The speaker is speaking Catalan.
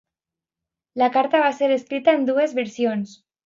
La carta va ser escrita en dues versions.